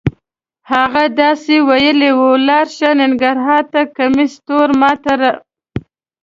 هغه داسې ویلې وه: لاړ شه ننګرهار ته کمیس تور ما ته.